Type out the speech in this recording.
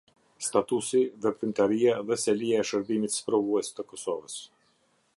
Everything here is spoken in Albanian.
Statusi, veprimtaria dhe selia e Shërbimit Sprovues të Kosovës.